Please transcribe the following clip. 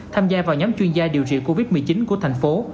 tham gia vào nhóm chuyên gia điều trị covid một mươi chín của thành phố